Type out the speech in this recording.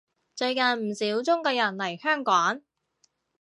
最近唔少中國人嚟香港